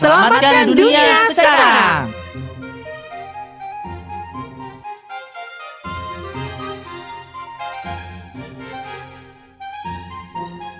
selamatkan dunia sekarang